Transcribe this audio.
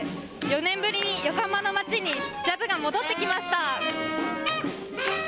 ４年ぶりに横浜の街にジャズが戻ってきました。